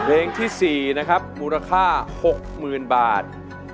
เพลงที่๔มูลค่า๖๐๐๐บาท